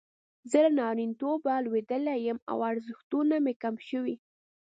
زه له نارینتوبه لویدلی یم او ارزښتونه مې کم شوي.